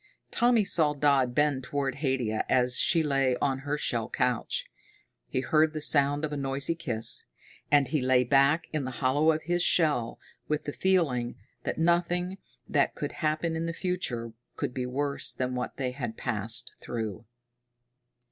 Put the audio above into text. Tommy saw Dodd bend toward Haidia as she lay on her shell couch. He heard the sound of a noisy kiss. And he lay back in the hollow of his shell, with the feeling that nothing that could happen in the future could be worse than what they had passed through.